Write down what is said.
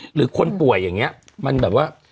หรือคนป่วยอย่างนี้มันแบบว่า